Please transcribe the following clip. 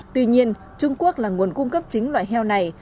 tuy nhiên trung quốc là nguồn cung cấp chính loại heo này